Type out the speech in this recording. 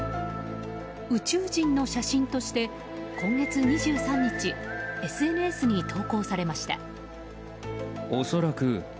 宇宙人の写真として今月２３日ＳＮＳに投稿されました。